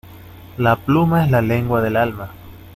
La pluma es la lengua del alma.